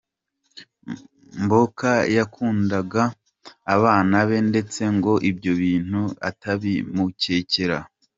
Mboka yakundaga abana be ndetse ngo ibyo bintu atabimukekera.